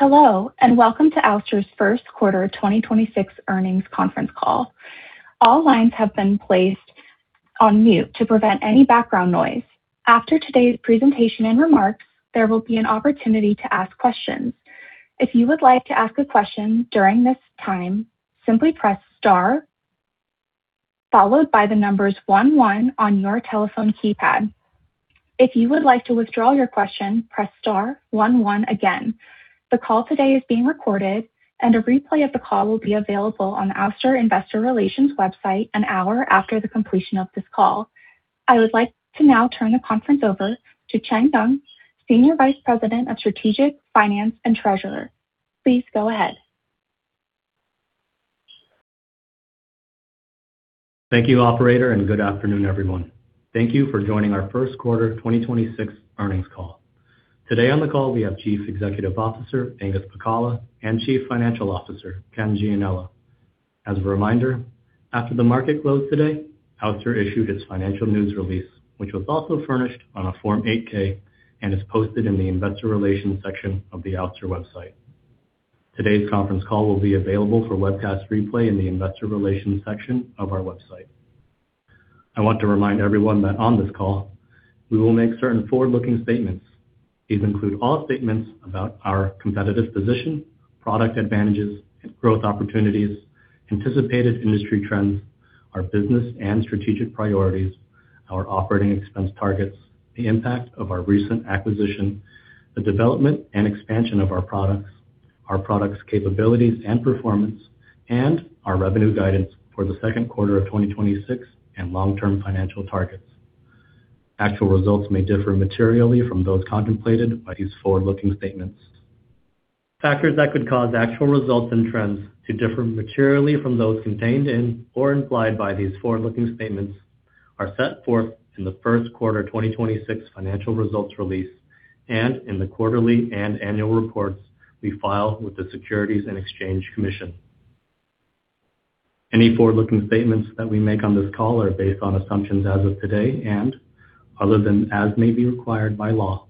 Hello, and welcome to Ouster's first quarter 2026 earnings conference call. All lines have been place on mute, to prevent any background noise. After today's presentation and remarks, there will be an opportunity to ask questions. If you would like to ask a question during this time, simply press star followed by the numbers one one on your telephone keypad. If you would like to withdraw your question, please press star one one again. The call today is being recorded and a replay of the call will be available on Ouster investor relations website an hour after the completion of this call. I would like to now turn the conference over to Chen Geng, Senior Vice President of Strategic Finance and Treasurer. Please go ahead. Thank you, operator. Good afternoon, everyone. Thank you for joining our first quarter 2026 earnings call. Today on the call, we have Chief Executive Officer, Angus Pacala, and Chief Financial Officer, Ken Gianella. As a reminder, after the market closed today, Ouster issued its financial news release, which was also furnished on a Form 8-K and is posted in the investor relations section of the Ouster website. Today's conference call will be available for webcast replay in the investor relations section of our website. I want to remind everyone that on this call, we will make certain forward-looking statements. These include all statements about our competitive position, product advantages and growth opportunities, anticipated industry trends, our business and strategic priorities, our OpEx targets, the impact of our recent acquisition, the development and expansion of our products, our products' capabilities and performance, and our revenue guidance for the second quarter of 2026 and long-term financial targets. Actual results may differ materially from those contemplated by these forward-looking statements. Factors that could cause actual results and trends to differ materially from those contained in or implied by these forward-looking statements are set forth in the first quarter 2026 financial results release and in the quarterly and annual reports we file with the Securities and Exchange Commission. Any forward-looking statements that we make on this call are based on assumptions as of today, and other than as may be required by law,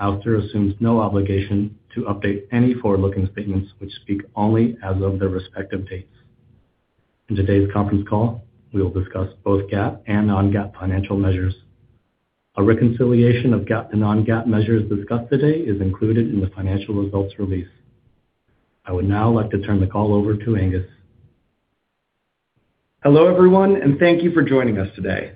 Ouster assumes no obligation to update any forward-looking statements which speak only as of their respective dates. In today's conference call, we will discuss both GAAP and non-GAAP financial measures. A reconciliation of GAAP to non-GAAP measures discussed today is included in the financial results release. I would now like to turn the call over to Angus. Hello, everyone, and thank you for joining us today.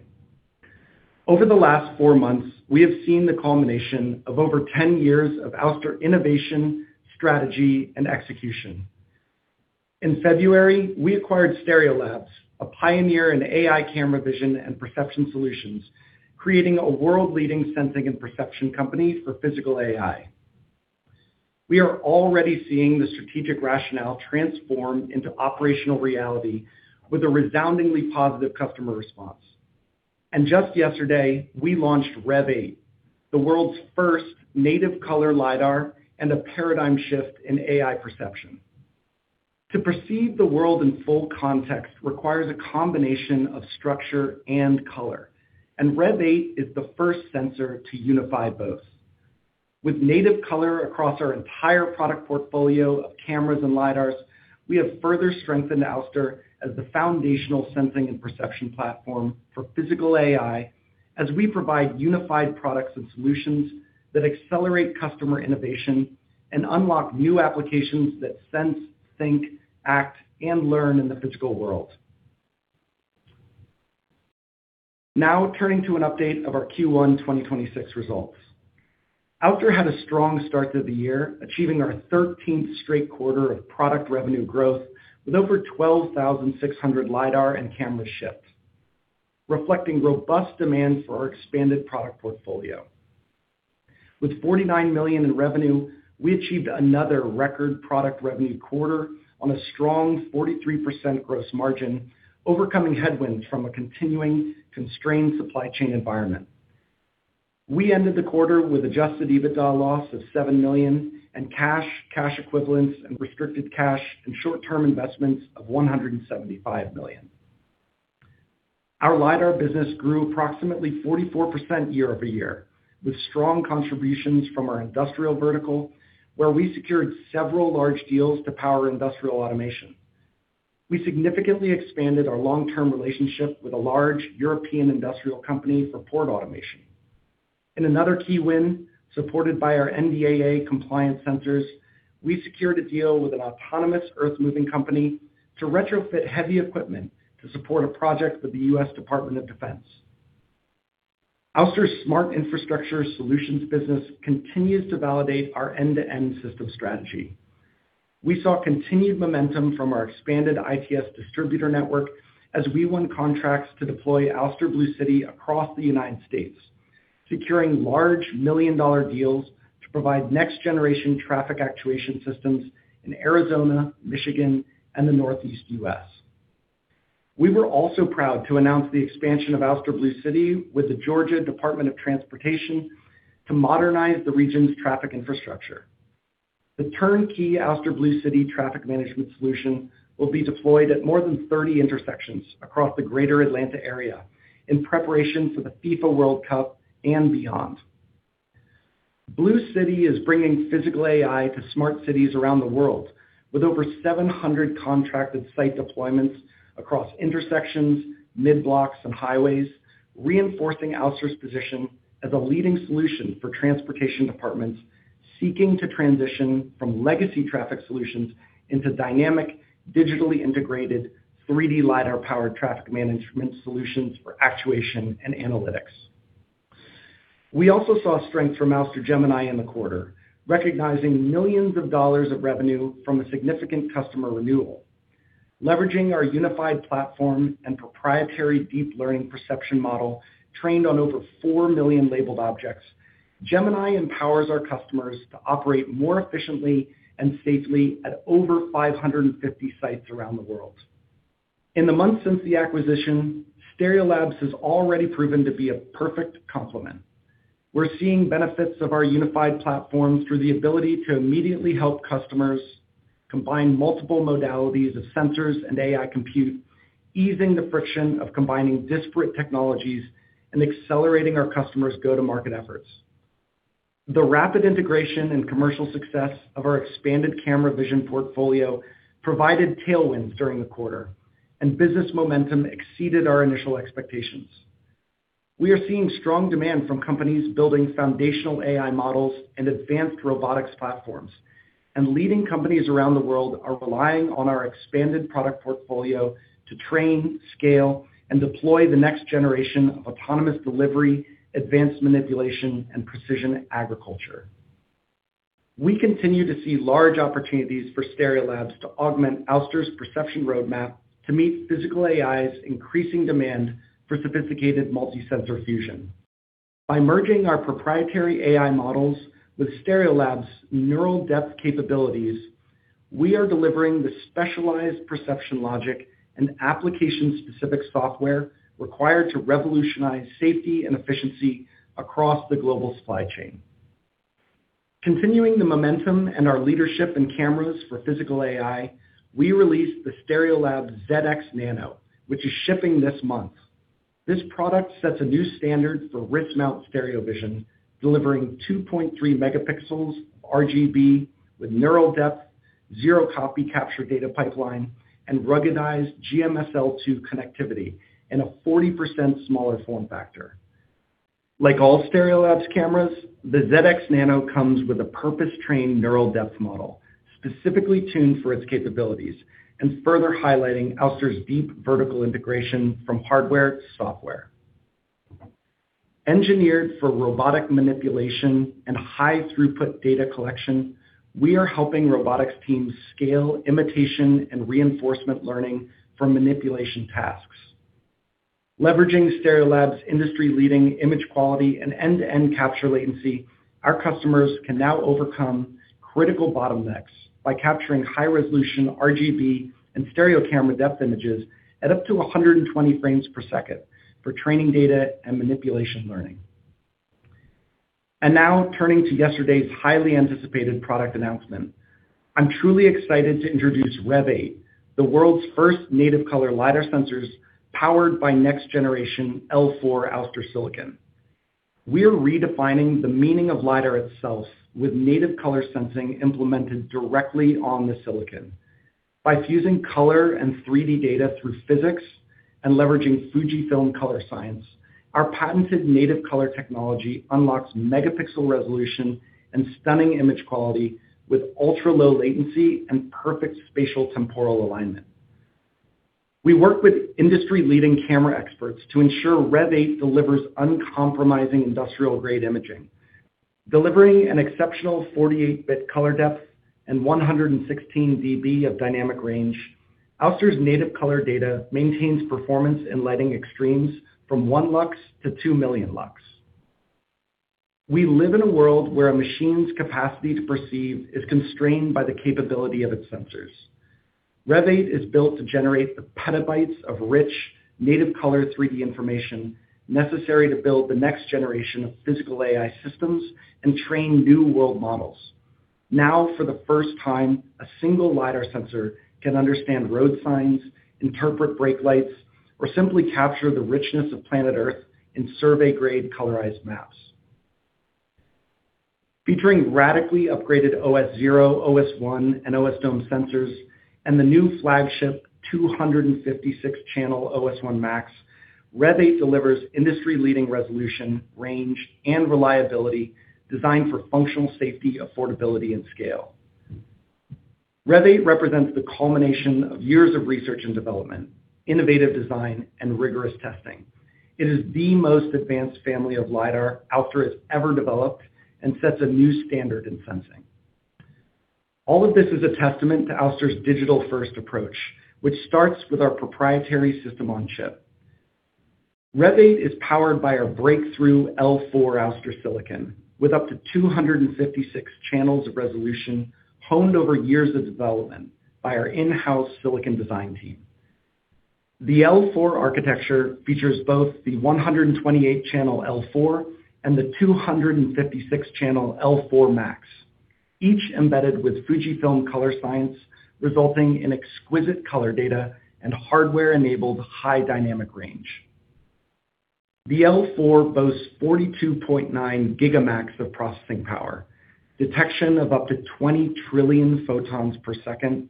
Over the last four months, we have seen the culmination of over 10 years of Ouster innovation, strategy, and execution. In February, we acquired Stereolabs, a pioneer in AI camera vision and perception solutions, creating a world-leading sensing and perception company for Physical AI. We are already seeing the strategic rationale transform into operational reality with a resoundingly positive customer response. Just yesterday, we launched Rev 8, the world's first native color lidar and a paradigm shift in AI perception. To perceive the world in full context requires a combination of structure and color, and Rev 8 is the first sensor to unify both. With native color across our entire product portfolio of cameras and LiDAR, we have further strengthened Ouster as the foundational sensing and perception platform for Physical AI as we provide unified products and solutions that accelerate customer innovation and unlock new applications that sense, think, act, and learn in the physical world. Now, turning to an update of our Q1 2026 results. Ouster had a strong start to the year, achieving our 13th straight quarter of product revenue growth with over 12,600 LiDAR and camera ships, reflecting robust demand for our expanded product portfolio. With $49 million in revenue, we achieved another record product revenue quarter on a strong 43% gross margin, overcoming headwinds from a continuing constrained supply chain environment. We ended the quarter with adjusted EBITDA loss of $7 million and cash equivalents, and restricted cash and short-term investments of $175 million. Our LiDAR business grew approximately 44% year-over-year, with strong contributions from our industrial vertical, where we secured several large deals to power industrial automation. We significantly expanded our long-term relationship with a large European industrial company for port automation. In another key win, supported by our NDAA compliant centers, we secured a deal with an autonomous earthmoving company to retrofit heavy equipment to support a project with the U.S. Department of Defense. Ouster's smart infrastructure solutions business continues to validate our end-to-end system strategy. We saw continued momentum from our expanded ITS distributor network as we won contracts to deploy Ouster BlueCity across the U.S. Securing large million-dollar deals to provide next-generation traffic actuation systems in Arizona, Michigan, and the Northeast U.S. We were also proud to announce the expansion of Ouster BlueCity with the Georgia Department of Transportation to modernize the region's traffic infrastructure. The turnkey Ouster BlueCity traffic management solution will be deployed at more than 30 intersections across the greater Atlanta area in preparation for the FIFA World Cup and beyond. BlueCity is bringing Physical AI to smart cities around the world with over 700 contracted site deployments across intersections, mid-blocks and highways, reinforcing Ouster's position as a leading solution for transportation departments seeking to transition from legacy traffic solutions into dynamic, digitally integrated, 3D LiDAR-powered traffic management solutions for actuation and analytics. We also saw strength from Ouster Gemini in the quarter, recognizing $ millions of revenue from a significant customer renewal. Leveraging our unified platform and proprietary deep learning perception model trained on over 4 million labeled objects, Gemini empowers our customers to operate more efficiently and safely at over 550 sites around the world. In the months since the acquisition, Stereolabs has already proven to be a perfect complement. We're seeing benefits of our unified platforms through the ability to immediately help customers combine multiple modalities of sensors and AI compute, easing the friction of combining disparate technologies and accelerating our customers' go-to-market efforts. The rapid integration and commercial success of our expanded camera vision portfolio provided tailwinds during the quarter, and business momentum exceeded our initial expectations. We are seeing strong demand from companies building foundational AI models and advanced robotics platforms. Leading companies around the world are relying on our expanded product portfolio to train, scale, and deploy the next generation of autonomous delivery, advanced manipulation, and precision agriculture. We continue to see large opportunities for Stereolabs to augment Ouster's perception roadmap to meet Physical AI's increasing demand for sophisticated multi-sensor fusion. By merging our proprietary AI models with Stereolabs' neural depth capabilities, we are delivering the specialized perception logic and application-specific software required to revolutionize safety and efficiency across the global supply chain. Continuing the momentum and our leadership in cameras for Physical AI, we released the Stereolabs ZED X Nano, which is shipping this month. This product sets a new standard for wrist-mount stereo vision, delivering 2.3 megapixels RGB with neural depth, zero copy capture data pipeline, and ruggedized GMSL2 connectivity in a 40% smaller form factor. Like all Stereolabs cameras, the ZED X Nano comes with a purpose-trained neural depth model, specifically tuned for its capabilities, and further highlighting Ouster's deep vertical integration from hardware to software. Engineered for robotic manipulation and high throughput data collection, we are helping robotics teams scale imitation and reinforcement learning for manipulation tasks. Leveraging Stereolabs' industry-leading image quality and end-to-end capture latency, our customers can now overcome critical bottlenecks by capturing high-resolution RGB and stereo camera depth images at up to 120 frames per second for training data and manipulation learning. Now turning to yesterday's highly anticipated product announcement. I'm truly excited to introduce Rev 8, the world's first native color LiDAR sensors powered by next-generation L4 Ouster silicon. We are redefining the meaning of LiDAR itself with native color sensing implemented directly on the silicon. By fusing color and 3D data through physics and leveraging Fujifilm color science, our patented native color technology unlocks megapixel resolution and stunning image quality with ultra-low latency and perfect spatial temporal alignment. We work with industry-leading camera experts to ensure Rev 8 delivers uncompromising industrial-grade imaging. Delivering an exceptional 48-bit color depth and 116 dB of dynamic range, Ouster's native color data maintains performance in lighting extremes from 1 lux to 2 million lux. We live in a world where a machine's capacity to perceive is constrained by the capability of its sensors. Rev 8 is built to generate the petabytes of rich native color 3D information necessary to build the next generation of Physical AI systems and train new world models. For the first time, a single LiDAR sensor can understand road signs, interpret brake lights, or simply capture the richness of planet Earth in survey-grade colorized maps. Featuring radically upgraded OS0, OS1, and OSDome sensors and the new flagship 256-channel OS1 Max, Rev 8 delivers industry-leading resolution, range, and reliability designed for functional safety, affordability, and scale. Rev 8 represents the culmination of years of research and development, innovative design, and rigorous testing. It is the most advanced family of LiDAR Ouster has ever developed and sets a new standard in sensing. All of this is a testament to Ouster's digital-first approach, which starts with our proprietary system on chip. Rev 8 is powered by our breakthrough L4 Ouster silicon with up to 256 channels of resolution honed over years of development by our in-house silicon design team. The L4 architecture features both the 128-channel L4 and the 256-channel L4 Max, each embedded with Fujifilm color science resulting in exquisite color data and hardware-enabled high dynamic range. The L4 boasts 42.9 gigamax of processing power, detection of up to 20 trillion photons per second,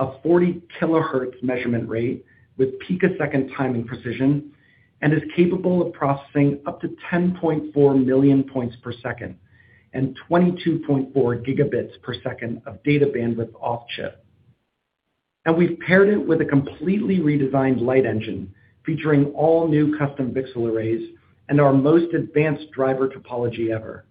a 40 kilohertz measurement rate with picosecond timing precision, and is capable of processing up to 10.4 million points per second and 22.4 gigabits per second of data bandwidth off chip. We've paired it with a completely redesigned light engine featuring all new custom pixel arrays and our most advanced driver topology ever.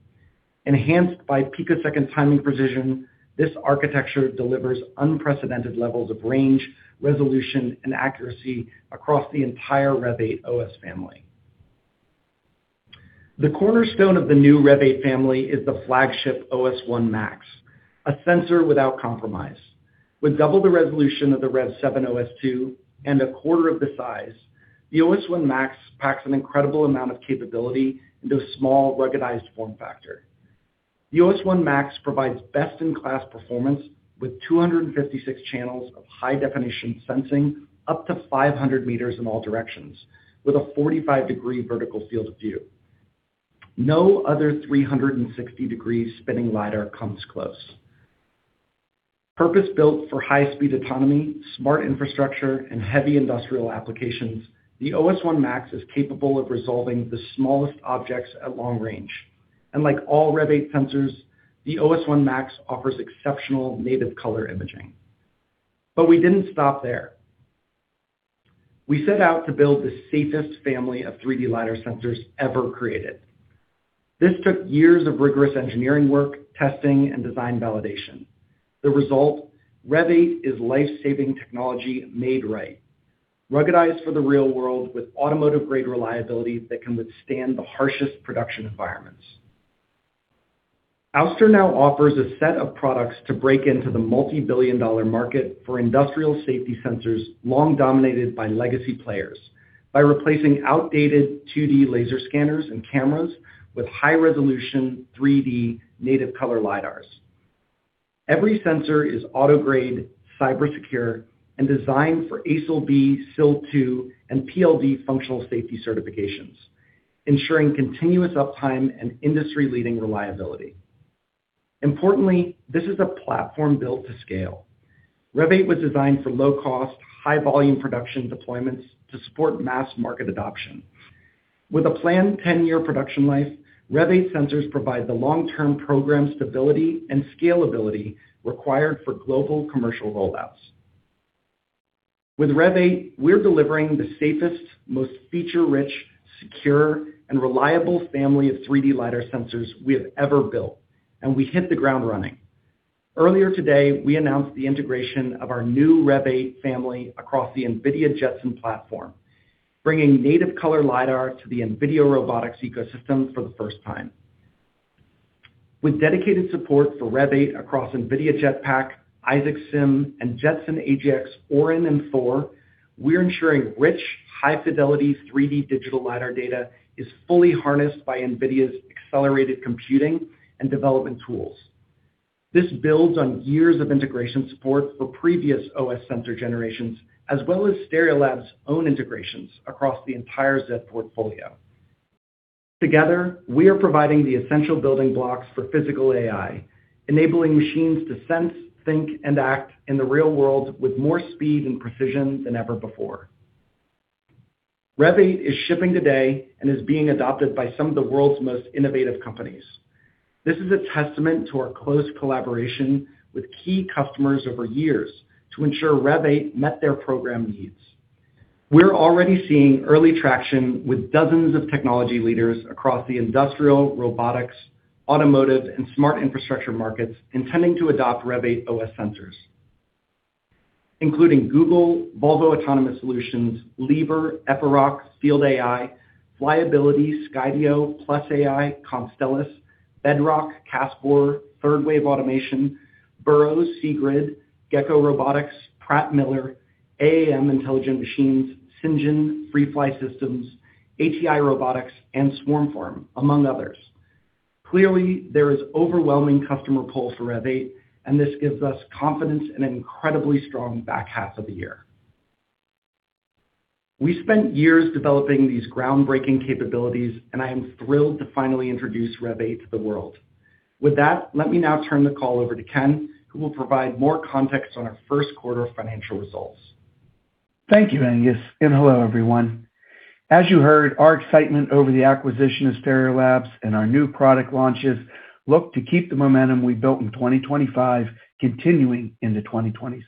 Enhanced by picosecond timing precision, this architecture delivers unprecedented levels of range, resolution, and accuracy across the entire Rev 8 OS family. The cornerstone of the new Rev 8 family is the flagship OS1 Max, a sensor without compromise. With double the resolution of the Rev 7 OS2 and a quarter of the size, the OS1 Max packs an incredible amount of capability into a small, ruggedized form factor. The OS1 Max provides best-in-class performance with 256 channels of high-definition sensing up to 500 meters in all directions with a 45-degree vertical field of view. No other 360-degree spinning LiDAR comes close. Purpose-built for high-speed autonomy, smart infrastructure, and heavy industrial applications, the OS1 Max is capable of resolving the smallest objects at long range. Like all Rev 8 sensors, the OS1 Max offers exceptional native color imaging. We didn't stop there. We set out to build the safest family of 3D lidar sensors ever created. This took years of rigorous engineering work, testing, and design validation. The result, Rev 8 is life-saving technology made right. Ruggedized for the real world with automotive-grade reliability that can withstand the harshest production environments. Ouster now offers a set of products to break into the multi-billion dollar market for industrial safety sensors long dominated by legacy players by replacing outdated 2D laser scanners and cameras with high-resolution, 3D native color lidars. Every sensor is auto-grade, cybersecure, and designed for ASIL B, SIL 2, and PL d functional safety certifications, ensuring continuous uptime and industry-leading reliability. Importantly, this is a platform built to scale. Rev 8 was designed for low-cost, high-volume production deployments to support mass market adoption. With a planned 10-year production life, Rev 8 sensors provide the long-term program stability and scalability required for global commercial rollouts. With Rev 8, we're delivering the safest, most feature-rich, secure, and reliable family of 3D LiDAR sensors we have ever built. We hit the ground running. Earlier today, we announced the integration of our new Rev 8 family across the NVIDIA Jetson platform, bringing native color LiDAR to the NVIDIA robotics ecosystem for the first time. With dedicated support for Rev 8 across NVIDIA JetPack, Isaac Sim, and Jetson AGX Orin and Thor, we're ensuring rich, high-fidelity 3D digital LiDAR data is fully harnessed by NVIDIA's accelerated computing and development tools. This builds on years of integration support for previous OS sensor generations, as well as Stereolabs' own integrations across the entire ZED portfolio. Together, we are providing the essential building blocks for Physical AI, enabling machines to sense, think, and act in the real world with more speed and precision than ever before. Rev 8 is shipping today and is being adopted by some of the world's most innovative companies. This is a testament to our close collaboration with key customers over years to ensure Rev 8 met their program needs. We're already seeing early traction with dozens of technology leaders across the industrial, robotics, automotive, and smart infrastructure markets intending to adopt Rev 8 OS sensors, including Google, Volvo Autonomous Solutions, Liebherr, Epiroc, FieldAI, Flyability, Skydio, PlusAI, Constellis, Bedrock, Kässbohrer, Third Wave Automation, Burro, Seegrid, Gecko Robotics, Pratt Miller, AIM Intelligent Machines, Cyngn, Freefly Systems, ATI Industrial Automation, and SwarmFarm Robotics, among others. Clearly, there is overwhelming customer pull for Rev 8, and this gives us confidence in an incredibly strong back half of the year. We spent years developing these groundbreaking capabilities, and I am thrilled to finally introduce Rev 8 to the world. With that, let me now turn the call over to Ken, who will provide more context on our first quarter financial results. Thank you, Angus, and hello, everyone. As you heard, our excitement over the acquisition of Stereolabs and our new product launches look to keep the momentum we built in 2025 continuing into 2026.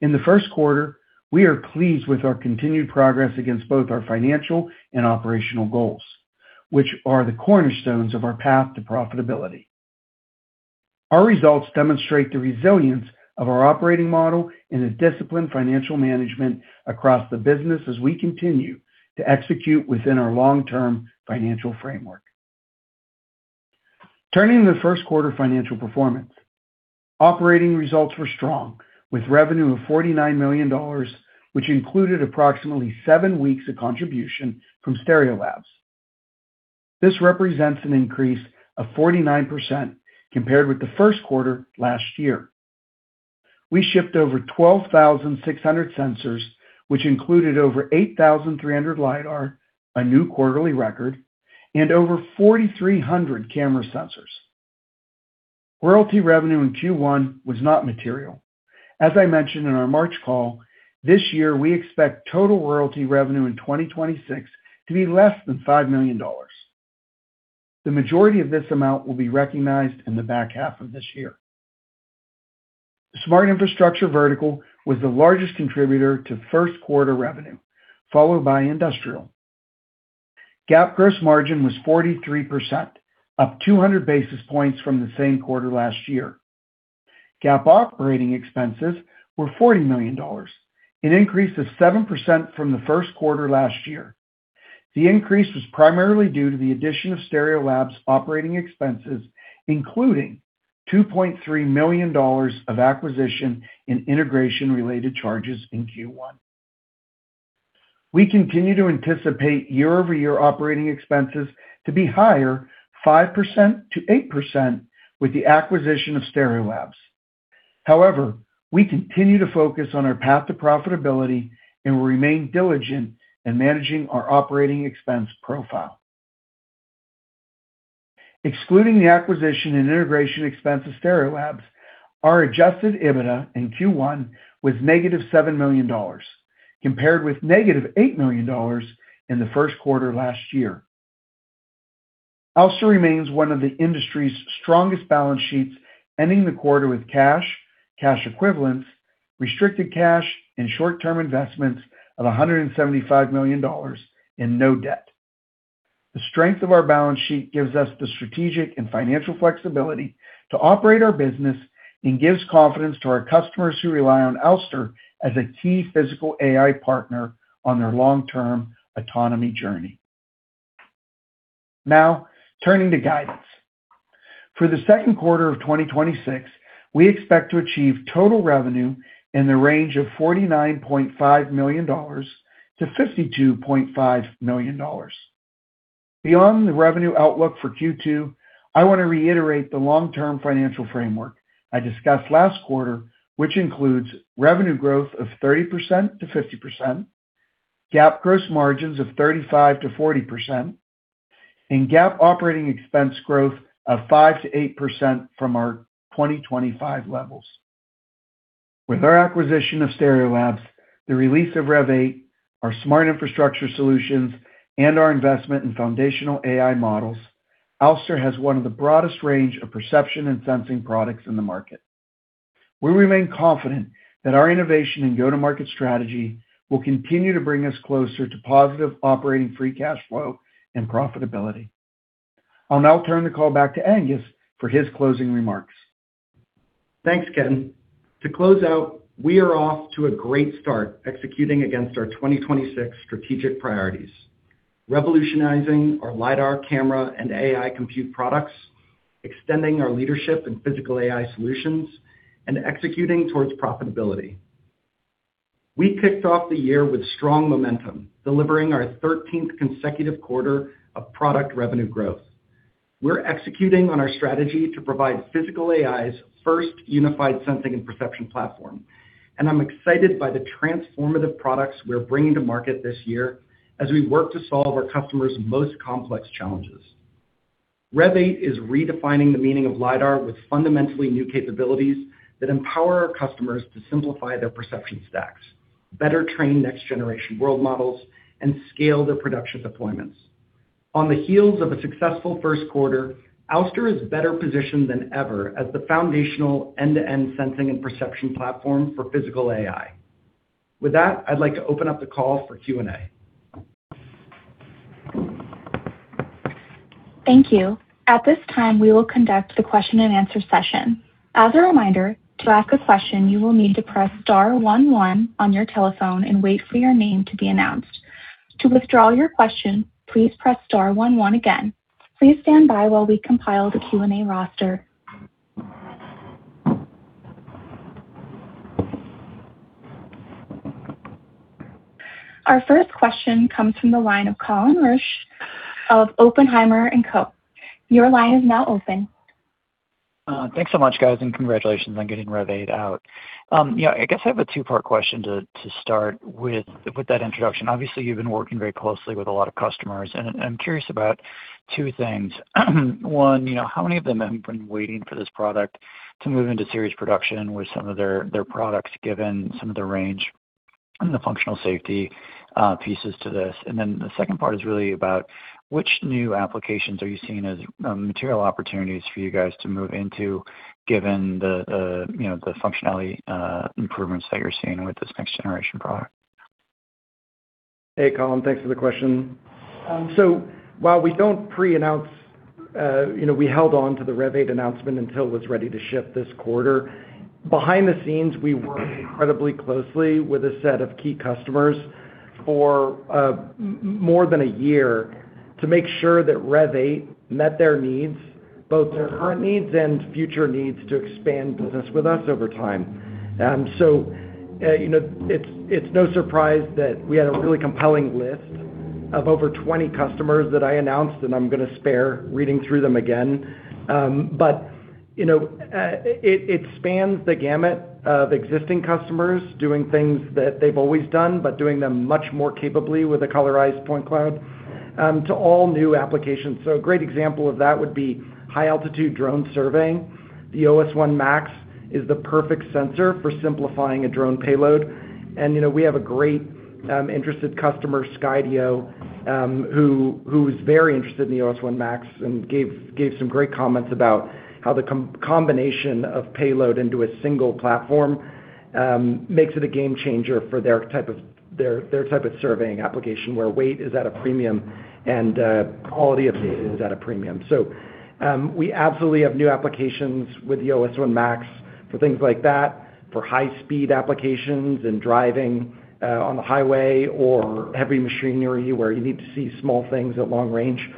In the first quarter, we are pleased with our continued progress against both our financial and operational goals, which are the cornerstones of our path to profitability. Our results demonstrate the resilience of our operating model and a disciplined financial management across the business as we continue to execute within our long-term financial framework. Turning to the first quarter financial performance, operating results were strong, with revenue of $49 million, which included approximately 7 weeks of contribution from Stereolabs. This represents an increase of 49% compared with the first quarter last year. We shipped over 12,600 sensors, which included over 8,300 LiDAR, a new quarterly record, and over 4,300 camera sensors. Royalty revenue in Q1 was not material. As I mentioned in our March call, this year we expect total royalty revenue in 2026 to be less than $5 million. The majority of this amount will be recognized in the back half of this year. Smart Infrastructure vertical was the largest contributor to first quarter revenue, followed by Industrial. GAAP gross margin was 43%, up 200 basis points from the same quarter last year. GAAP operating expenses were $40 million, an increase of 7% from the first quarter last year. The increase was primarily due to the addition of Stereolabs operating expenses, including $2.3 million of acquisition in integration-related charges in Q1. We continue to anticipate year-over-year operating expenses to be higher 5%-8% with the acquisition of Stereolabs. However, we continue to focus on our path to profitability and will remain diligent in managing our operating expense profile. Excluding the acquisition and integration expense of Stereolabs, our adjusted EBITDA in Q1 was negative $7 million, compared with negative $8 million in the first quarter last year. Ouster remains one of the industry's strongest balance sheets, ending the quarter with cash equivalents, restricted cash, and short-term investments of $175 million and no debt. The strength of our balance sheet gives us the strategic and financial flexibility to operate our business and gives confidence to our customers who rely on Ouster as a key Physical AI partner on their long-term autonomy journey. Now, turning to guidance. For the second quarter of 2026, we expect to achieve total revenue in the range of $49.5 million-$52.5 million. Beyond the revenue outlook for Q2, I wanna reiterate the long-term financial framework I discussed last quarter, which includes revenue growth of 30%-50%, GAAP gross margins of 35%-40%, and GAAP operating expense growth of 5%-8% from our 2025 levels. With our acquisition of Stereolabs, the release of Rev 8, our smart infrastructure solutions, and our investment in foundational AI models, Ouster has one of the broadest range of perception and sensing products in the market. We remain confident that our innovation and go-to-market strategy will continue to bring us closer to positive operating free cash flow and profitability. I'll now turn the call back to Angus for his closing remarks. Thanks, Ken. To close out, we are off to a great start executing against our 2026 strategic priorities, revolutionizing our LiDAR camera and AI compute products, extending our leadership in Physical AI solutions, and executing towards profitability. We kicked off the year with strong momentum, delivering our thirteenth consecutive quarter of product revenue growth. We're executing on our strategy to provide Physical AI's first unified sensing and perception platform, and I'm excited by the transformative products we're bringing to market this year as we work to solve our customers' most complex challenges. Rev 8 is redefining the meaning of LiDAR with fundamentally new capabilities that empower our customers to simplify their perception stacks, better train next generation world models, and scale their production deployments. On the heels of a successful first quarter, Ouster is better positioned than ever as the foundational end-to-end sensing and perception platform for Physical AI. With that, I'd like to open up the call for Q&A. Thank you. At this time, we will conduct the question and answer session. As a reminder, to ask a question, you will need to press star one one on your telephone and wait for your name to be announced. To withdraw your question, please press star one one again. Please stand by while we compile the Q&A roster. Our first question comes from the line of Colin Rusch of Oppenheimer & Co. Your line is now open. Thanks so much, guys, and congratulations on getting Rev 8 out. You know, I guess I have a two-part question to start with that introduction. Obviously, you've been working very closely with a lot of customers, and I'm curious about two things. One, you know, how many of them have been waiting for this product to move into series production with some of their products, given some of the range and the functional safety pieces to this? The second part is really about which new applications are you seeing as material opportunities for you guys to move into given the, you know, the functionality improvements that you're seeing with this next generation product? Hey, Colin, thanks for the question. While we don't pre-announce, you know, we held on to the Rev 8 announcement until it was ready to ship this quarter. Behind the scenes, we worked incredibly closely with a set of key customers for more than a year to make sure that Rev 8 met their needs. Both their current needs and future needs to expand business with us over time. You know, it's no surprise that we had a really compelling list of over 20 customers that I announced, and I'm gonna spare reading through them again. You know, it spans the gamut of existing customers doing things that they've always done, but doing them much more capably with a colorized point cloud, to all new applications. A great example of that would be high-altitude drone surveying. The OS1 Max is the perfect sensor for simplifying a drone payload. You know, we have a great interested customer, Skydio, who's very interested in the OS1 Max and gave some great comments about how the combination of payload into a single platform makes it a game changer for their type of surveying application, where weight is at a premium and quality of data is at a premium. We absolutely have new applications with the OS1 Max for things like that, for high-speed applications and driving on the highway or heavy machinery, where you need to see small things at long range.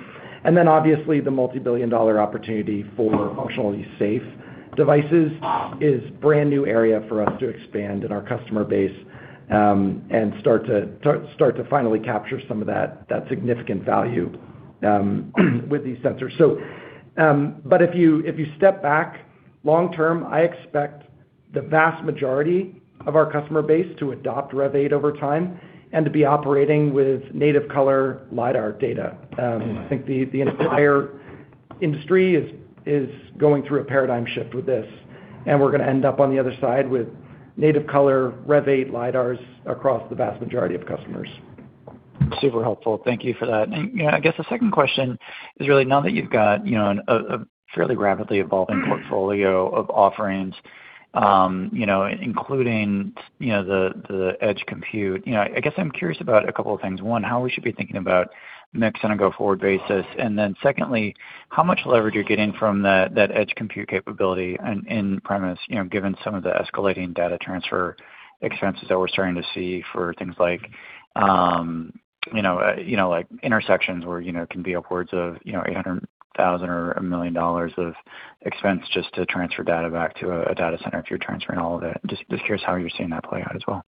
Obviously, the multi-billion dollar opportunity for functionally safe devices is brand new area for us to expand in our customer base, and start to finally capture some of that significant value with these sensors. But if you step back long term, I expect the vast majority of our customer base to adopt Rev 8 over time and to be operating with native color LiDAR data. I think the entire industry is going through a paradigm shift with this, and we're gonna end up on the other side with native color Rev 8 LiDARs across the vast majority of customers. Super helpful. Thank you for that. You know, I guess the second question is really now that you've got, you know, a fairly rapidly evolving portfolio of offerings, you know, including, you know, the edge compute, you know, I guess I'm curious about a couple of things. One, how we should be thinking about mix on a go-forward basis. Then secondly, how much leverage you're getting from that edge compute capability in premise, you know, given some of the escalating data transfer expenses that we're starting to see for things like, you know, like intersections where, you know, can be upwards of, you know, 800,000 or $1 million of expense just to transfer data back to a data center if you're transferring all of it. Just curious how you're seeing that play out as well?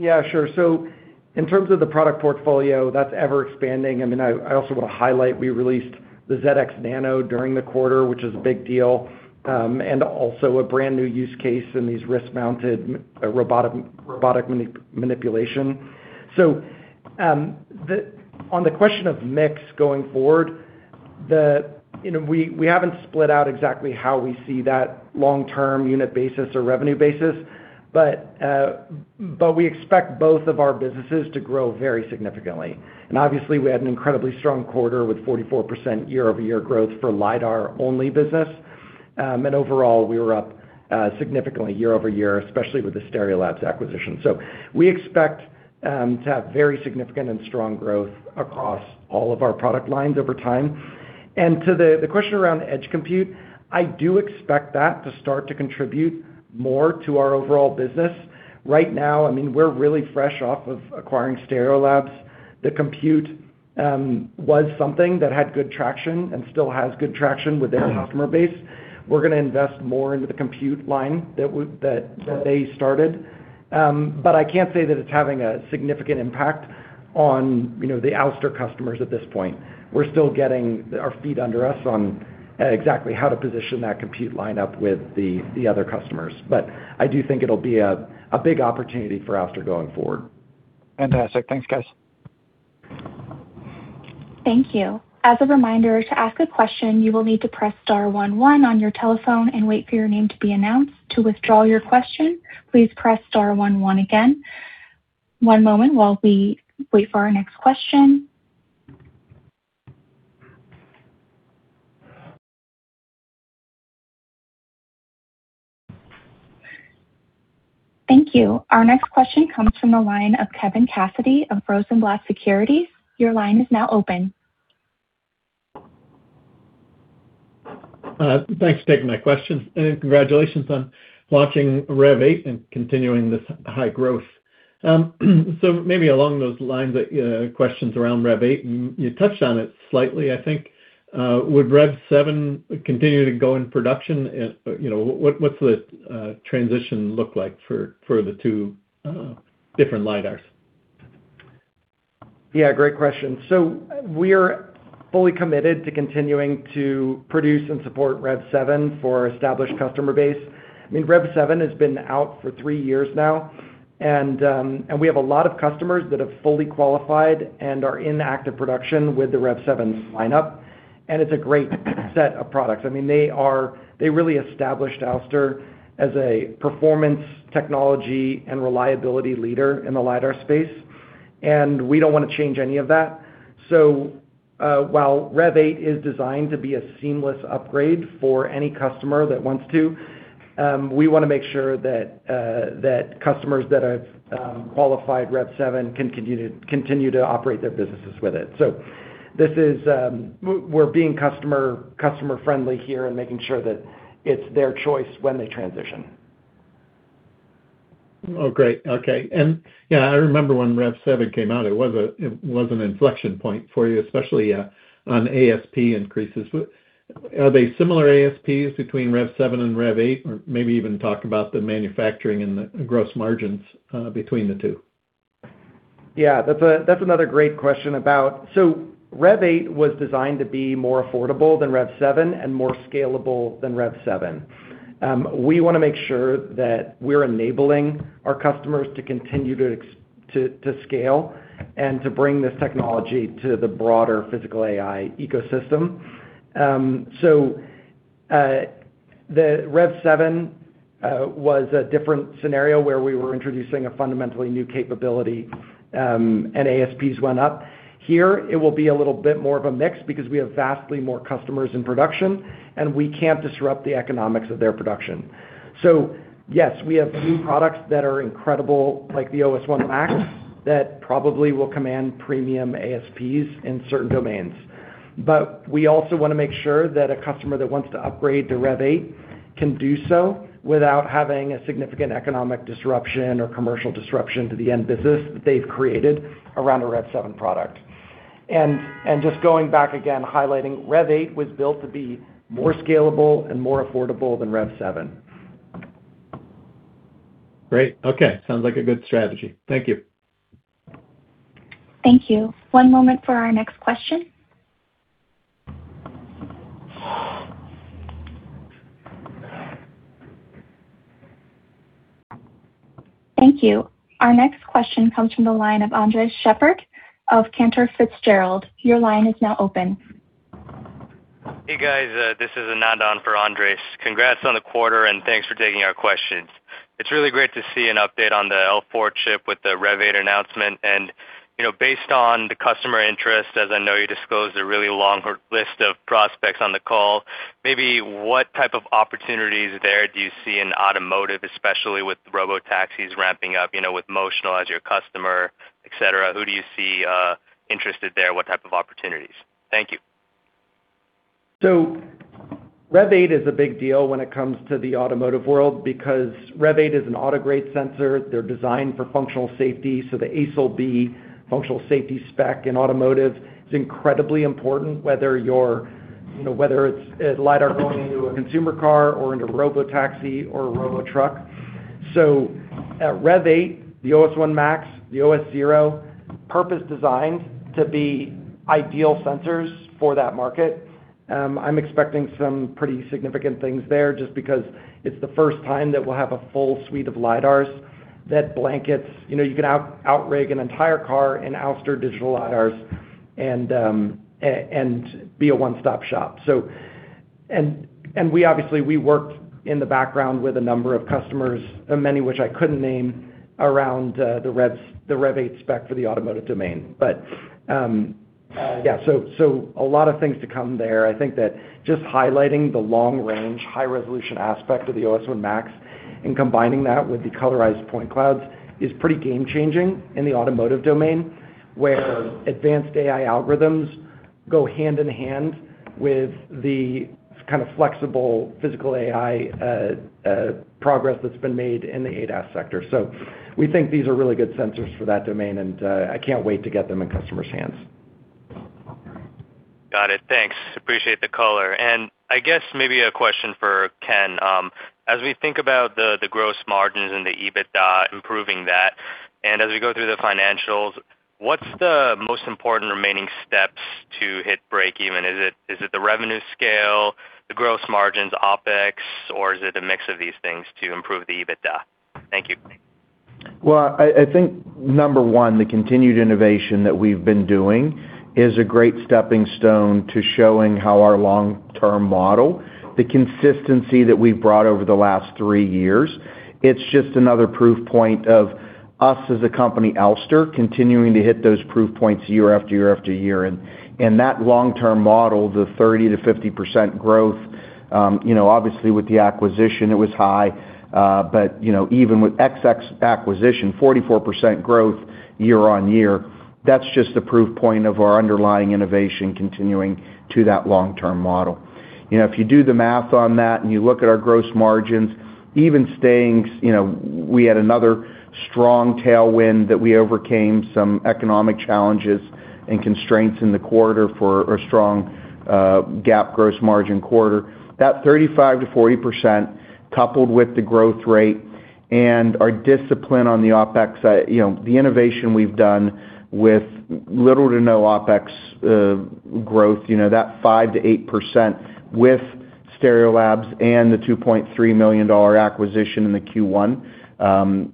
Yeah, sure. In terms of the product portfolio, that's ever-expanding. I mean, I also want to highlight we released the ZED X Nano during the quarter, which is a big deal, and also a brand-new use case in these wrist-mounted robotic manipulation. On the question of mix going forward, you know, we haven't split out exactly how we see that long term unit basis or revenue basis, but we expect both of our businesses to grow very significantly. Obviously, we had an incredibly strong quarter with 44% year-over-year growth for lidar only business. Overall, we were up significantly year-over-year, especially with the Stereolabs acquisition. We expect to have very significant and strong growth across all of our product lines over time. To the question around edge compute, I do expect that to start to contribute more to our overall business. Right now, we're really fresh off of acquiring Stereolabs. The compute was something that had good traction and still has good traction with their customer base. We're going to invest more into the compute line that they started. I can't say that it's having a significant impact on the Ouster customers at this point. We're still getting our feet under us on exactly how to position that compute line up with the other customers. I do think it will be a big opportunity for Ouster going forward. Fantastic. Thanks, guys. Thank you. Our next question comes from the line of Kevin Cassidy of Rosenblatt Securities. Your line is now open. Thanks for taking my questions, and congratulations on launching Rev 8 and continuing this high growth. Maybe along those lines, questions around Rev 8, and you touched on it slightly, I think. Would Rev 7 continue to go in production? You know, what's the transition look like for the two different lidars? Great question. We're fully committed to continuing to produce and support Rev 7 for our established customer base. I mean, Rev 7 has been out for three years now, and we have a lot of customers that have fully qualified and are in active production with the Rev 7 lineup, and it's a great set of products. I mean, they really established Ouster as a performance technology and reliability leader in the LiDAR space, and we don't wanna change any of that. While Rev 8 is designed to be a seamless upgrade for any customer that wants to, we wanna make sure that customers that have qualified Rev 7 can continue to operate their businesses with it. We're being customer friendly here and making sure that it's their choice when they transition. Oh, great. Okay. Yeah, I remember when Rev 7 came out, it was an inflection point for you, especially on ASP increases. Are they similar ASPs between Rev 7 and Rev 8, or maybe even talk about the manufacturing and the gross margins between the two? That's another great question. Rev 8 was designed to be more affordable than Rev 7 and more scalable than Rev 7. We want to make sure that we're enabling our customers to continue to scale and to bring this technology to the broader Physical AI ecosystem. The Rev 7 was a different scenario where we were introducing a fundamentally new capability, and ASPs went up. Here, it will be a little bit more of a mix because we have vastly more customers in production, and we can't disrupt the economics of their production. Yes, we have new products that are incredible, like the OS1 Max, that probably will command premium ASPs in certain domains. We also wanna make sure that a customer that wants to upgrade to Rev 8 can do so without having a significant economic disruption or commercial disruption to the end business that they've created around a Rev 7 product. Just going back again, highlighting Rev 8 was built to be more scalable and more affordable than Rev 7. Great. Okay. Sounds like a good strategy. Thank you. Thank you. One moment for our next question. Thank you. Our next question comes from the line of Andres Sheppard of Cantor Fitzgerald. Your line is now open. Hey, guys. This is Anand on for Andres. Congrats on the quarter, and thanks for taking our questions. It's really great to see an update on the L4 chip with the Rev 8 announcement. You know, based on the customer interest, as I know you disclosed a really long list of prospects on the call, maybe what type of opportunities there do you see in automotive, especially with robotaxis ramping up, you know, with Motional as your customer, et cetera? Who do you see interested there? What type of opportunities? Thank you. Rev 8 is a big deal when it comes to the automotive world because Rev 8 is an auto-grade sensor. They're designed for functional safety, so the ASIL B functional safety spec in automotive is incredibly important, whether you know, whether it's a lidar going into a consumer car or into a robotaxi or a robotruck. Rev 8, the OS1 Max, the OS0, purpose designed to be ideal sensors for that market. I'm expecting some pretty significant things there just because it's the first time that we'll have a full suite of lidars that blankets. You know, you can out-rig an entire car in Ouster digital lidars and be a one-stop shop. And we obviously, we worked in the background with a number of customers, many of which I couldn't name, around the Revs, the Rev 8 spec for the automotive domain. Yeah, so a lot of things to come there. I think that just highlighting the long-range, high-resolution aspect of the OS1 Max and combining that with the colorized point clouds is pretty game-changing in the automotive domain, where advanced AI algorithms go hand in hand with the kind of flexible Physical AI progress that's been made in the ADAS sector. We think these are really good sensors for that domain, and I can't wait to get them in customers' hands. Got it. Thanks. Appreciate the color. I guess maybe a question for Ken. As we think about the gross margins and the EBITDA improving that, as we go through the financials, what's the most important remaining steps to hit breakeven? Is it the revenue scale, the gross margins, OpEx, or is it a mix of these things to improve the EBITDA? Thank you. Well, I think number one, the continued innovation that we've been doing is a great stepping stone to showing how our long-term model, the consistency that we've brought over the last three years, it's just another proof point of us as a company, Ouster, continuing to hit those proof points year after year after year. That long-term model, the 30%-50% growth, you know, obviously with the acquisition, it was high. You know, even with ex-acquisition, 44% growth year-over-year, that's just a proof point of our underlying innovation continuing to that long-term model. You know, if you do the math on that and you look at our gross margins, even staying you know, we had another strong tailwind that we overcame some economic challenges and constraints in the quarter for a strong, GAAP gross margin quarter. That 35%-40%, coupled with the growth rate and our discipline on the OpEx, you know, the innovation we've done with little to no OpEx, growth, you know, that 5%-8% with Stereolabs and the $2.3 million acquisition in the Q1,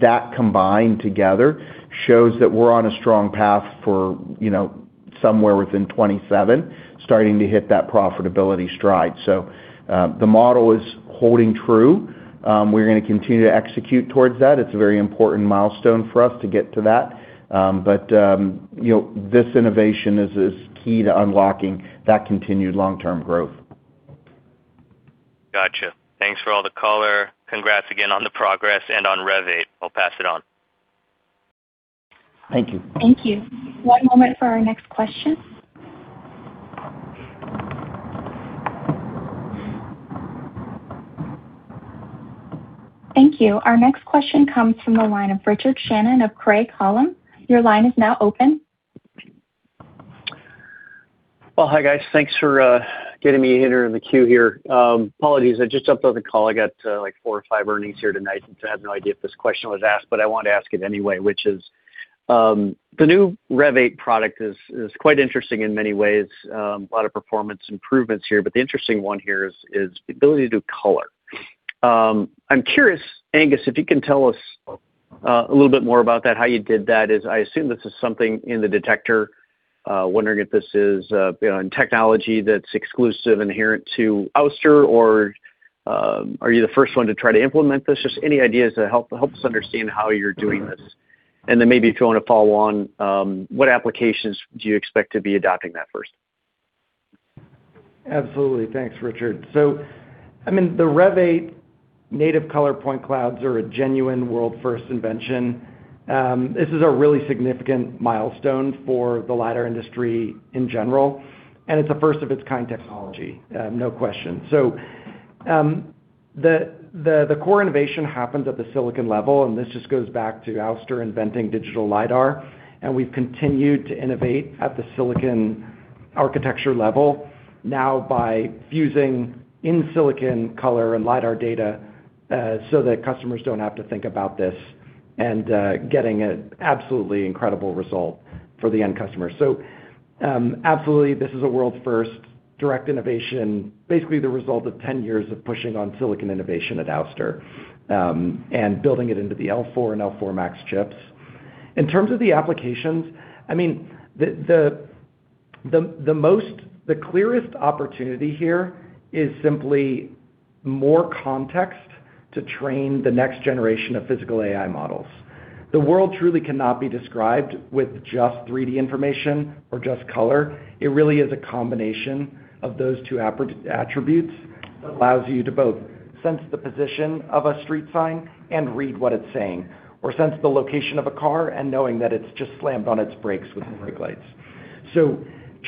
that combined together shows that we're on a strong path for, you know, somewhere within 2027 starting to hit that profitability stride. The model is holding true. We're gonna continue to execute towards that. It's a very important milestone for us to get to that. But, you know, this innovation is key to unlocking that continued long-term growth. Gotcha. Thanks for all the color. Congrats again on the progress and on Rev 8. I'll pass it on. Thank you. Thank you. One moment for our next question. Thank you. Our next question comes from the line of Richard Shannon of Craig-Hallum. Your line is now open. Well, hi, guys. Thanks for getting me in here in the queue here. Apologies, I just jumped on the call. I got like 4 or 5 earnings here tonight. I have no idea if this question was asked, but I want to ask it anyway, which is, the new Rev 8 product is quite interesting in many ways. A lot of performance improvements here, the interesting one here is the ability to do color. I'm curious, Angus, if you can tell us a little bit more about that, how you did that, as I assume this is something in the detector. Wondering if this is, you know, in technology that's exclusive, inherent to Ouster or are you the first one to try to implement this? Just any ideas that help us understand how you're doing this. Maybe if you wanna follow on, what applications do you expect to be adopting that first? Absolutely. Thanks, Richard. I mean, the Rev 8 native color point clouds are a genuine world-first invention. This is a really significant milestone for the LiDAR industry in general, and it's a first of its kind technology, no question. The core innovation happened at the silicon level, and this just goes back to Ouster inventing digital LiDAR. We've continued to innovate at the silicon architecture level now by fusing in silicon color and LiDAR data, so that customers don't have to think about this and getting an absolutely incredible result for the end customer. Absolutely, this is a world's first direct innovation, basically the result of 10 years of pushing on silicon innovation at Ouster, and building it into the L4 and L4 Max chips. In terms of the applications, I mean, the clearest opportunity here is simply more context to train the next generation of Physical AI models. The world truly cannot be described with just 3D information or just color. It really is a combination of those two attributes that allows you to both sense the position of a street sign and read what it's saying or sense the location of a car and knowing that it's just slammed on its brakes with the brake lights.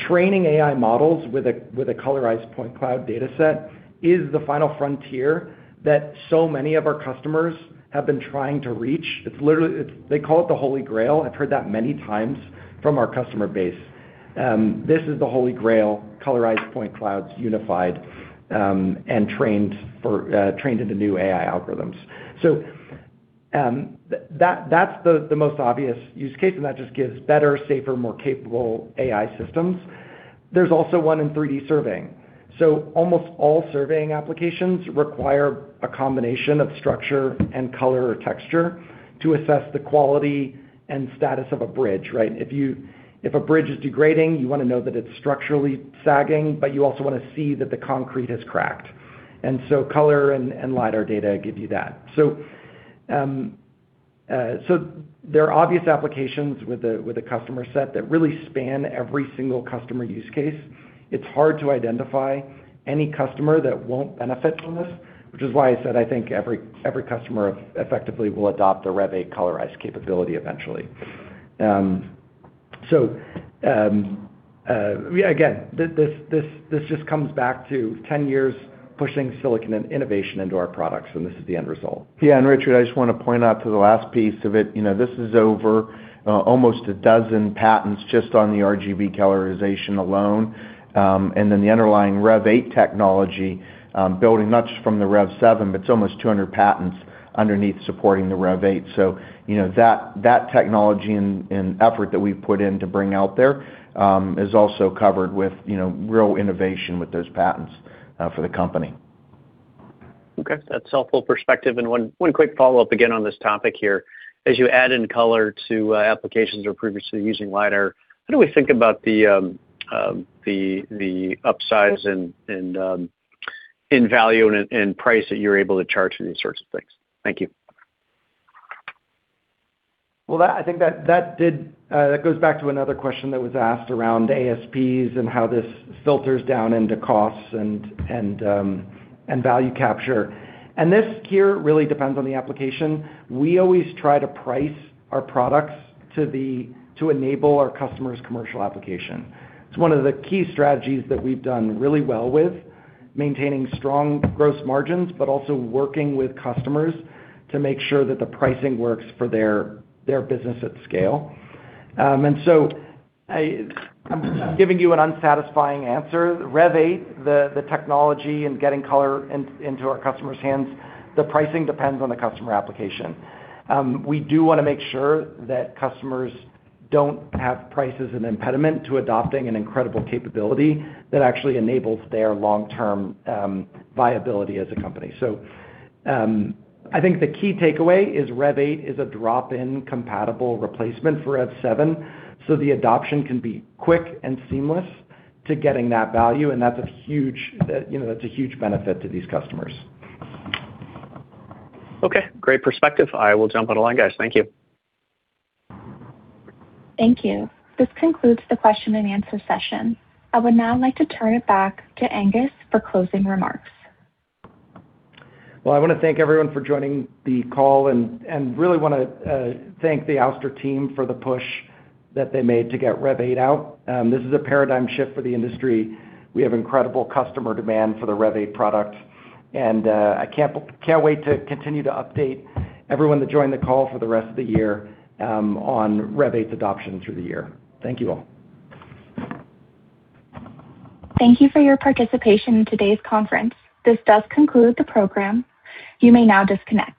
Training AI models with a colorized point cloud dataset is the final frontier that so many of our customers have been trying to reach. It's literally They call it the Holy Grail. I've heard that many times from our customer base. This is the Holy Grail, colorized point clouds unified and trained into new AI algorithms. That's the most obvious use case, and that just gives better, safer, more capable AI systems. There's also 1 in 3D surveying. Almost all surveying applications require a combination of structure and color or texture to assess the quality and status of a bridge, right? If a bridge is degrading, you wanna know that it's structurally sagging, but you also wanna see that the concrete has cracked. Color and LiDAR data give you that. There are obvious applications with a customer set that really span every single customer use case. It's hard to identify any customer that won't benefit from this, which is why I said I think every customer effectively will adopt a Rev 8 colorized capability eventually. Again, this just comes back to 10 years pushing silicon and innovation into our products, and this is the end result. Yeah, Richard, I just wanna point out to the last piece of it, you know, this is over almost a dozen patents just on the RGB colorization alone. The underlying Rev 8 technology, building not just from the Rev 7, but it's almost 200 patents underneath supporting the Rev 8. You know, that technology and effort that we've put in to bring out there is also covered with, you know, real innovation with those patents for the company. Okay. That's helpful perspective. One quick follow-up again on this topic here. As you add in color to applications or previously using LiDAR, how do we think about the upsides and in value and price that you're able to charge for these sorts of things? Thank you. I think that goes back to another question that was asked around ASPs and how this filters down into costs and value capture. This here really depends on the application. We always try to price our products to enable our customer's commercial application. It's one of the key strategies that we've done really well with, maintaining strong gross margins, but also working with customers to make sure that the pricing works for their business at scale. I'm giving you an unsatisfying answer. Rev 8, the technology and getting color into our customers' hands, the pricing depends on the customer application. We do wanna make sure that customers don't have price as an impediment to adopting an incredible capability that actually enables their long-term viability as a company. I think the key takeaway is Rev 8 is a drop-in compatible replacement for Rev 7, so the adoption can be quick and seamless to getting that value, and that's a huge, you know, that's a huge benefit to these customers. Okay. Great perspective. I will jump on along, guys. Thank you. Thank you. This concludes the question and answer session. I would now like to turn it back to Angus for closing remarks. Well, I wanna thank everyone for joining the call and really wanna thank the Ouster team for the push that they made to get Rev 8 out. This is a paradigm shift for the industry. We have incredible customer demand for the Rev 8 product, and I can't wait to continue to update everyone that joined the call for the rest of the year on Rev 8's adoption through the year. Thank you all. Thank you for your participation in today's conference. This does conclude the program. You may now disconnect.